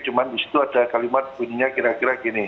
cuma di situ ada kalimat bunyinya kira kira gini